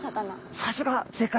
さすが正解です。